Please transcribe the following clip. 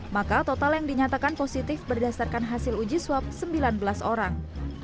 maka total yang dinyatakan positif berdasarkan hasil uji swab sembilan belas orang